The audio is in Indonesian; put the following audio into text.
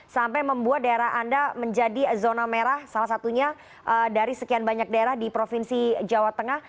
sampai membuat daerah anda menjadi zona merah salah satunya dari sekian banyak daerah di provinsi jawa tengah